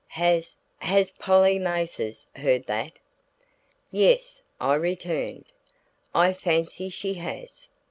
"Has has Polly Mathers heard that?" "Yes," I returned, "I fancy she has."